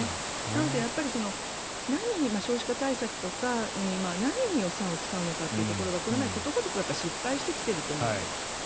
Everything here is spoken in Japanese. なので、少子化対策とか何に予算を使うのかがこれまでことごとく失敗してきていると思うんです。